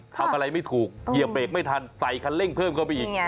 ทำอะไรไม่ถูกเหยียบเบรกไม่ทันใส่คันเร่งเพิ่มเข้าไปอีก